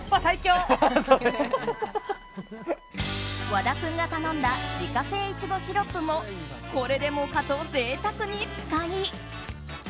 和田君が頼んだ自家製いちごシロップもこれでもかと贅沢に使い。